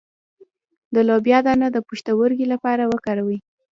د لوبیا دانه د پښتورګو لپاره وکاروئ